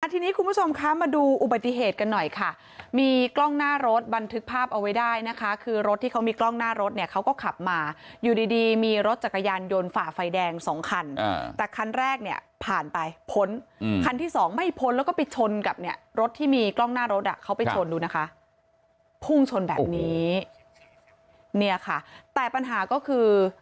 ทีนี้คุณผู้ชมคะมาดูอุบัติเหตุกันหน่อยค่ะมีกล้องหน้ารถบันทึกภาพเอาไว้ได้นะคะคือรถที่เขามีกล้องหน้ารถเนี่ยเขาก็ขับมาอยู่ดีดีมีรถจักรยานยนต์ฝ่าไฟแดงสองคันแต่คันแรกเนี่ยผ่านไปพ้นคันที่สองไม่พ้นแล้วก็ไปชนกับเนี่ยรถที่มีกล้องหน้ารถอ่ะเขาไปชนดูนะคะพุ่งชนแบบนี้เนี่ยค่ะแต่ปัญหาก็คือ